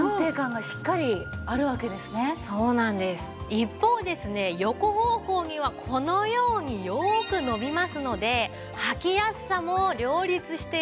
一方ですね横方向にはこのようによーく伸びますのではきやすさも両立しているんです。